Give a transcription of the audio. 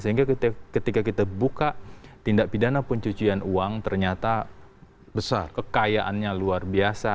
sehingga ketika kita buka tindak pidana pencucian uang ternyata besar kekayaannya luar biasa